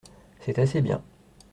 C’est assez bien.